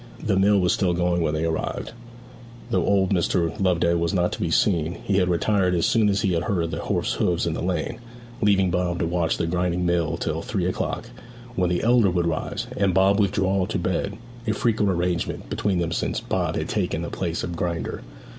The mill was still going when they arrived, though old Mr. Loveday was not to be seen; he had retired as soon as he heard the horse's hoofs in the lane, leaving Bob to watch the grinding till three o'clock; when the elder would rise, and Bob withdraw to bed a frequent arrangement between them since Bob had taken the place of grinder.